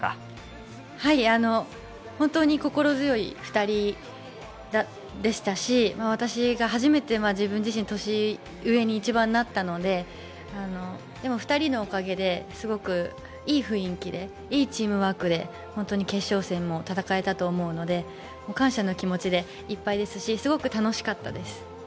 本当に心強い２人でしたし私が初めて自分自身が一番年上になったのででも２人のおかげですごくいい雰囲気でいいチームワークで本当に決勝戦も戦えたと思うので感謝の気持ちでいっぱいですしすごく楽しかったです。